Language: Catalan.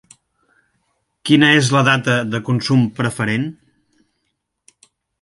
Quina és la data de consum preferent?